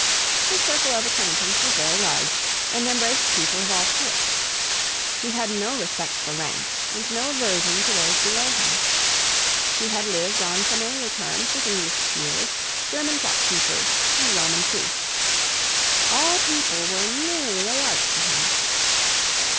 His circle of acquaintance was very large, and embraced people of all sorts. He had not respect for rank, and no aversion to those below him. He had lived on familiar terms with English peers, German shopkeepers, and Roman priests. All people were nearly alike to him.